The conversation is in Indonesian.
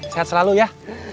sehat selalu ya